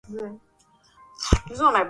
ikiwa umbali wa mita miatisa Nikalazimika kutua